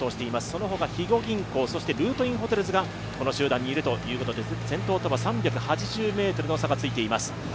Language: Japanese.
その他、肥後銀行、ルートインホテルズがこの集団にいるということで先頭とは３８０ｍの差がついています。